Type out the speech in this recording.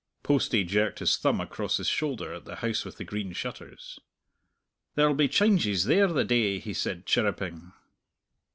Postie jerked his thumb across his shoulder at the House with the Green Shutters. "There'll be chynges there the day," he said, chirruping.